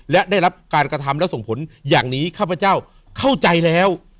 และได้รับการกระทำและส่งผลอย่างนี้ข้าพเจ้าเข้าใจแล้ว